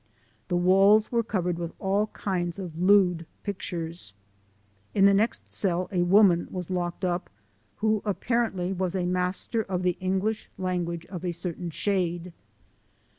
The walls were covered with all kinds of lewd pictures. In the next cell a woman was locked up, who apparently was a master of the English language of a certain shade.